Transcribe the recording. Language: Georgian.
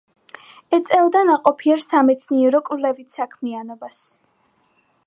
ეწეოდა ნაყოფიერ სამეცნიერო-კვლევით საქმიანობას.